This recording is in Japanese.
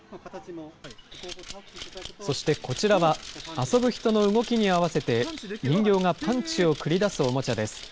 そしてこちらは、遊ぶ人の動きに合わせて人形がパンチを繰り出すおもちゃです。